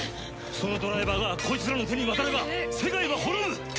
そのドライバーがこいつらの手に渡れば世界は滅ぶ！